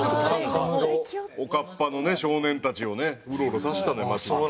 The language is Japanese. おかっぱの少年たちをねうろうろさせたのよ街に。